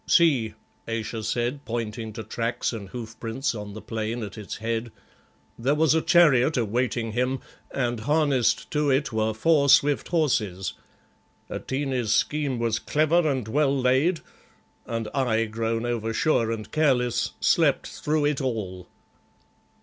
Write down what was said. "See," Ayesha said, pointing to tracks and hoof prints on the plain at its head, "there was a chariot awaiting him, and harnessed to it were four swift horses. Atene's scheme was clever and well laid, and I, grown oversure and careless, slept through it all!"